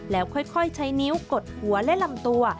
แล้วค่อยใช้นิ้วกดหัวและลำตัว